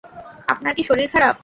আপনার কি শরীর খারাপ?